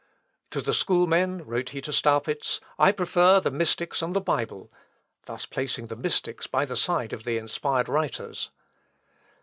"To the schoolmen," wrote he to Staupitz, "I prefer the Mystics and the Bible;" thus placing the Mystics by the side of the inspired writers.